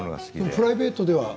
プライベートでは？